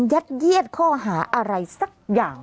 ยัดเยียดข้อหาอะไรสักอย่าง